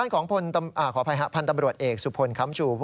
ขอภัยฮะพันธุ์ตำรวจเอกสุภนธ์คำชู